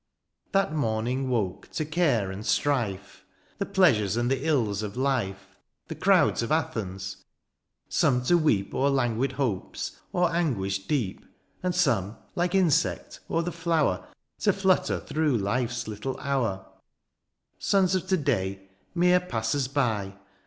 That morning woke to care and strife. The pleasures, and the ills of life. The crowds of Athens : some to weep O'er languid hopes, or anguish deep ; And some, like insect o'er the flower. To flutter through life's little hotu" ; Sons of to day, mere passers by.